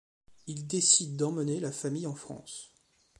Il décide d’emmener la famille en France.